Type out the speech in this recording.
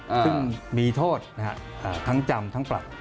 ซึ่งมีโทษนะฮะทั้งจำทั้งปรับ